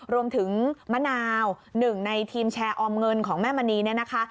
มะนาวหนึ่งในทีมแชร์ออมเงินของแม่มณีเนี่ยนะคะ